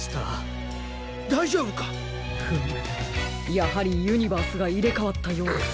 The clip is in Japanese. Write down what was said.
やはりユニバースがいれかわったようです。